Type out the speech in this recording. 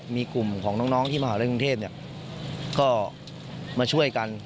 มีกลุ่มของน้องที่มหาลัยกรุงเทพก็มาช่วยกัน